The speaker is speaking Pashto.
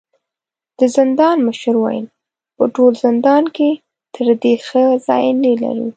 د زندان مشر وويل: په ټول زندان کې تر دې ښه ځای نه لرو.